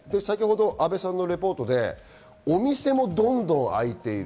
阿部さんのリポートでお店もどんどん開いている。